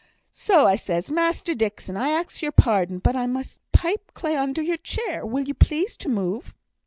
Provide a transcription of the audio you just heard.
So, says I, 'Master Dixon, I ax your pardon, but I must pipeclay under your chair. Will you please to move?'